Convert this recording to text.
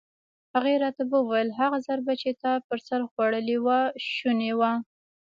هغې راته وویل: هغه ضربه چې تا پر سر خوړلې وه شونې وه.